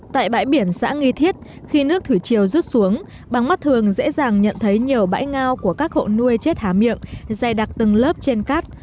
tại bãi biển xã nghi thiết khi nước thủy chiều rút xuống bằng mắt thường dễ dàng nhận thấy nhiều bãi ngao của các hộ nuôi chết há miệng dày đặc từng lớp trên cát